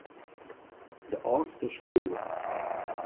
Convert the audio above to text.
De âldste skriuwer.